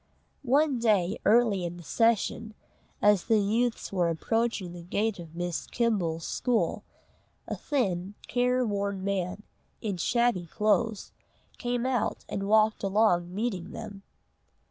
One day early in the session, as the youths were approaching the gate of Miss Kimble's school, a thin, care worn man, in shabby clothes, came out, and walked along meeting them.